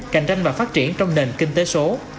cạnh tranh và phát triển trong nền kinh tế số